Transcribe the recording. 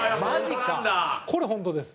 古田：これ、本当です。